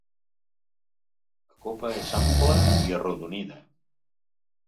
La copa és ampla i arrodonida.